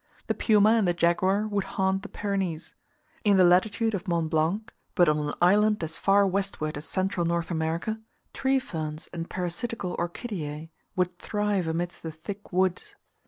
The puma and the jaguar would haunt the Pyrenees. In the latitude of Mont Blanc, but on an island as far westward as Central North America, tree ferns and parasitical Orchideae would thrive amidst the thick woods.